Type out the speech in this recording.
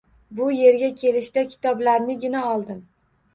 Bu yerga kelishda kitoblarnigina oldim